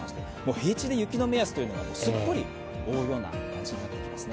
平地で雪の目安がすっぽり覆うような感じになってきますね。